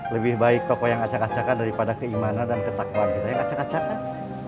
lebih baik toko yang acak acakan daripada keimanan dan ketakwa kita yang acak acakan